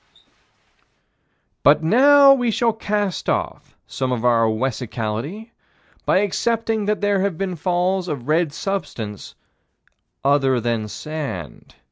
But now we shall cast off some of our own wessicality by accepting that there have been falls of red substance other than sand.